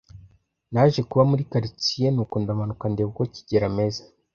Naje kuba muri quartier, nuko ndamanuka ndeba uko kigeli ameze.